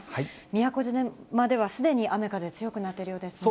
宮古島ではすでに雨、風強くなっているようですね。